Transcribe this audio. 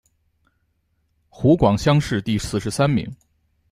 湖广乡试第四十三名。